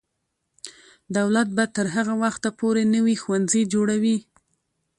دولت به تر هغه وخته پورې نوي ښوونځي جوړوي.